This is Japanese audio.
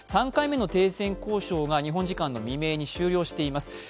３回目の停戦交渉が日本時間の未明に終了しています。